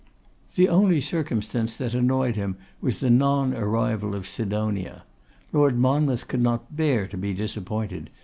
The only circumstance that annoyed him was the non arrival of Sidonia. Lord Monmouth could not bear to be disappointed.